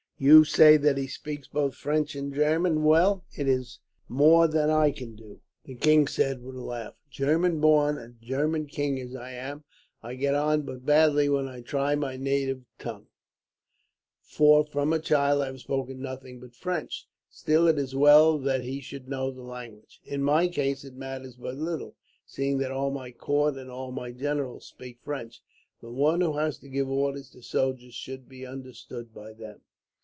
"'You say that he speaks both French and German well? It is more than I can do,' the king said with a laugh. 'German born and German king as I am, I get on but badly when I try my native tongue, for from a child I have spoken nothing but French. Still, it is well that he should know the language. In my case it matters but little, seeing that all my court and all my generals speak French. But one who has to give orders to soldiers should be understood by them.